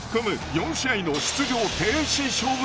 ４試合の出場停止処分。